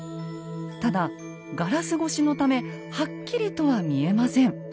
ただガラス越しのためはっきりとは見えません。